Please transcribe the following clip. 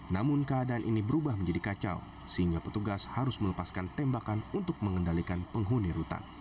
namun keadaan ini berubah menjadi kacau sehingga petugas harus melepaskan tembakan untuk mengendalikan penghuni rutan